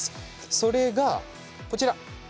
それが、こちら。